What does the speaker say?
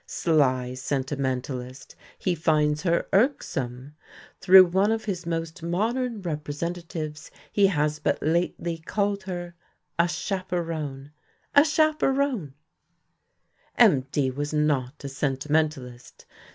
Sly sentimentalist he finds her irksome. Through one of his most modern representatives he has but lately called her a "chaperon." A chaperon! MD was not a sentimentalist.